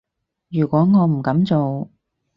如果我唔噉做